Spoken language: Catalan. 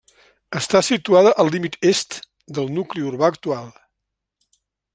Està situada al límit est del nucli urbà actual.